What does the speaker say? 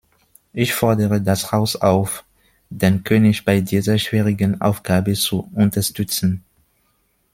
Ich fordere das Haus auf, den König bei dieser schwierigen Aufgabe zu unterstützen.